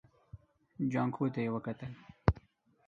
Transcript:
جانکو ته يې وکتل.